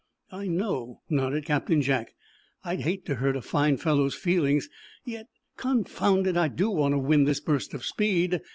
"I know," nodded Captain Jack. "I'd hate to hurt a fine fellow's feelings. Yet—confound it, I do want to win this burst of speed.